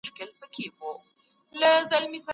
ادبي څېړنه د ادب په اړه نوې پوهه زیاتوي.